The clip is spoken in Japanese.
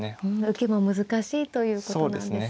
受けも難しいということなんですね。